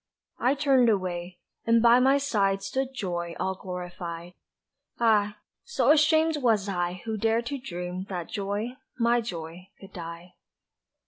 I turned away, and by my side stood Joy All glorified ah, so ashamed was I Who dared to dream that Joy, my Joy, could die!